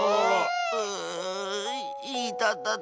ううういたたた。